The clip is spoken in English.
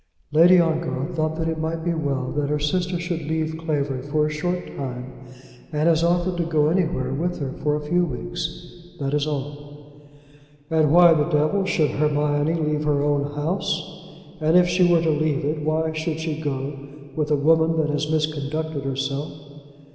"Lady Ongar thought that it might be well that her sister should leave Clavering for a short time, and has offered to go anywhere with her for a few weeks. That is all." "And why the devil should Hermione leave her own house? And if she were to leave it, why should she go with a woman that has misconducted herself?"